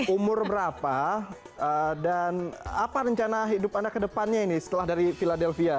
umur berapa dan apa rencana hidup anda kedepannya ini setelah dari philadelphia